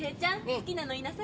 好きなの言いなさい。